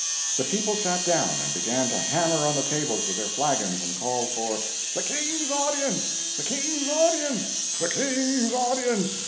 The people sat down and began to hammer on the tables with their flagons and call for "the King's Audience!—the King's Audience!—the King's Audience!"